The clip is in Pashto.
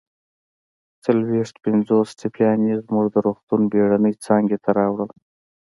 څلويښت پنځوس ټپیان يې زموږ د روغتون بېړنۍ څانګې ته راوړل